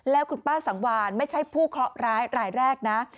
แล้วคุณป้าสังวานไม่ใช่ผู้เคราะห์ร้ายรายแรกนะ